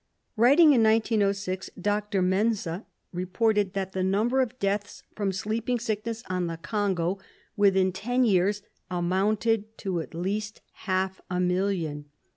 Writing in 1906, Dr. Mense reported that the number of deaths from sleeping sickness on the Congo within ten years amounted to at least half a million.